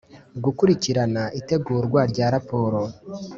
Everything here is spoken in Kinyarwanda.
Gukurikirana itegurwa rya raporo